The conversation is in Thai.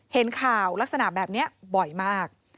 เห็นข่าวลักษณะแบบนี้บ่อยมาก